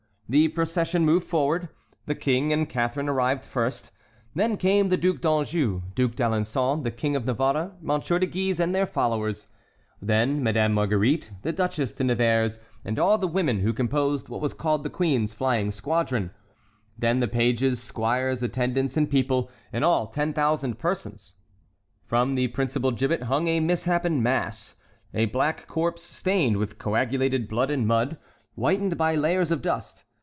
The procession moved forward; the King and Catharine arrived first, then came the Duc d'Anjou, Duc d'Alençon, the King of Navarre, Monsieur de Guise, and their followers, then Madame Marguerite, the Duchesse de Nevers, and all the women who composed what was called the queen's flying squadron; then the pages, squires, attendants, and people—in all ten thousand persons. From the principal gibbet hung a misshapen mass, a black corpse stained with coagulated blood and mud, whitened by layers of dust.